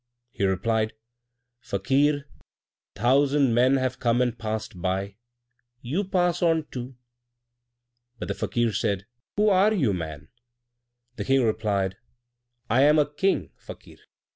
He replied, "Fakir, a thousand men have come and passed by; you pass on too." But the Fakir said, "Who are you, man?" The King replied, "I am a King, Fakir.